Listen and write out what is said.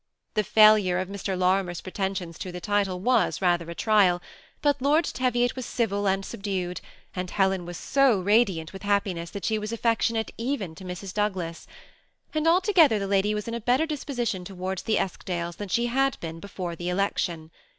The failure of Mr. Lor imer*s pretensions to the title was rather a trial; but Lord Teviot was civil and subdued, and Helen was so radiant with happiness, that she was affectionate even to Mrs. Douglas ; and altogether that lady was in a better disposition towards the Eskdales than she had been before the election.